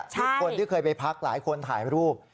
ทุกคนที่เคยไปพักหลายคนถ่ายรูป